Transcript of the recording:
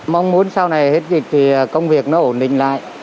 mong muốn sau này hết dịch thì công việc nó ổn định lại